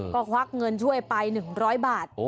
ก็ควักเงินช่วยไป๑๐๐บาท